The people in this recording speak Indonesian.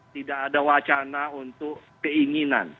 tidak ada wacana untuk keinginan